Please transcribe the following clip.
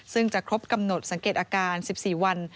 ซึ่งจะครบกำหนดสังเกตอาการ๑๔วัน